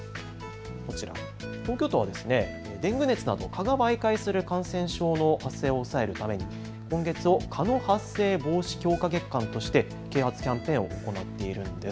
こちら東京都はデング熱など蚊が媒介する感染症の発生を抑えるために今月を蚊の発生防止強化月間として啓発キャンペーンを行っているんです。